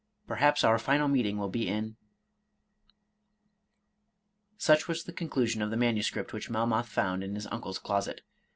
— Perhaps our final meeting will be in .... Such was the conclusion of the manuscript which Mel moth found in his uncle's closet.